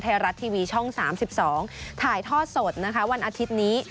ไทยรัฐทีวีช่อง๓๒ถ่ายทอดสดนะคะวันอาทิตย์นี้